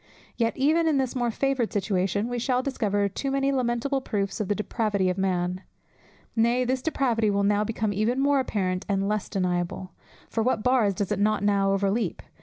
Yet even in this more favoured situation we shall discover too many lamentable proofs of the depravity of man. Nay, this depravity will now become even more apparent and less deniable. For what bars does it not now overleap?